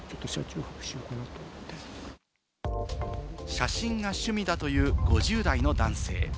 写真が趣味だという５０代の男性。